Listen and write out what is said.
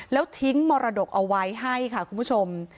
แล้วทิ้งมรดกเอาไว้ให้ค่ะคุณผู้ชม